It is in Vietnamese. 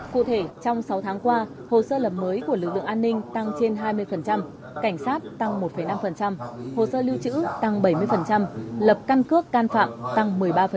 cụ thể trong sáu tháng qua hồ sơ lập mới của lực lượng an ninh tăng trên hai mươi cảnh sát tăng một năm hồ sơ lưu trữ tăng bảy mươi lập căn cước căn phạm tăng một mươi ba